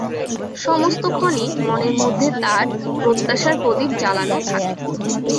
সমস্তক্ষণই মনের মধ্যে তার প্রত্যাশার প্রদীপ জ্বালানো থাকে।